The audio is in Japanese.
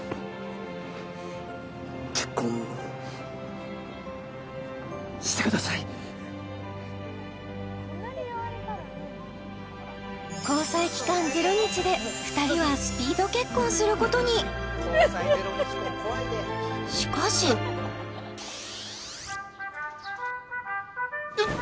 結婚してください交際期間０日で２人はスピード結婚することにしかしうっ！